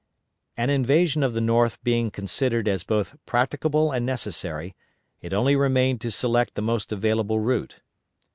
An invasion of the North being considered as both practicable and necessary, it only remained to select the most available route.